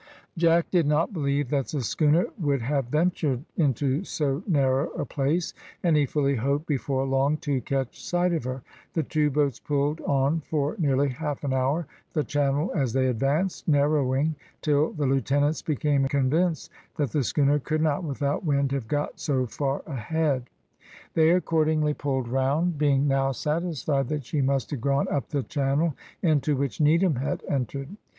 Jack did not believe that the schooner would have ventured into so narrow a place, and he fully hoped before long to catch sight of her. The two boats pulled on for nearly half an hour; the channel, as they advanced, narrowing, till the lieutenants became convinced that the schooner could not without wind have got so far ahead. They accordingly pulled round, being now satisfied that she must have gone up the channel into which Needham had entered.